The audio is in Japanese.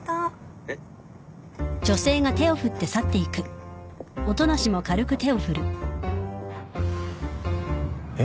えっ？えっ？